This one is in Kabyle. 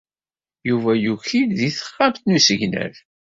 Yuba yuki-d deg texxamt n usegnaf.